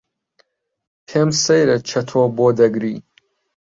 پێم سەیرە چەتۆ بۆ دەگری.